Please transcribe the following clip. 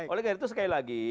oleh karena itu sekali lagi